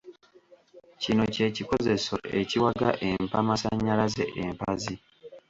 Kino kye kikozeso ekiwaga empamasannyalaze empazi.